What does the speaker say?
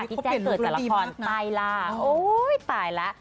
ที่แจ๊กเกิดจากละครตายล่ะโอ้ยตายล่ะ